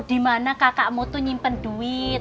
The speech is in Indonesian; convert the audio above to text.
dimana kakakmu tuh nyimpen duit